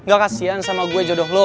gak kasian sama gue jodoh lo